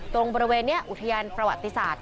ตรงบริเวณนี้อุทยานประวัติศาสตร์